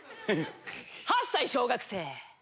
８歳小学生！